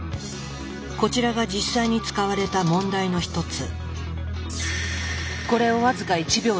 こちらが実際に使われた問題の一つ。